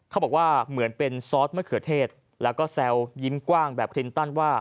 เขาบอกว่าเหมือนเป็นซอสมะเขือเทศแล้วก็แซวยิ้มกว้างแบบคลินตันว่า